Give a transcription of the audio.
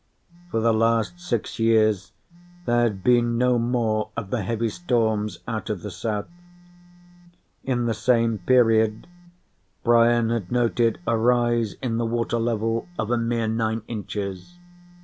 For the last six years, there had been no more of the heavy storms out of the south. In the same period, Brian had noted a rise in the water level of a mere nine inches.